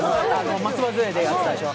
松葉づえでやってたでしょ。